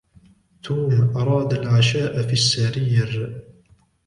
توم أراد العَشَاء في السرير.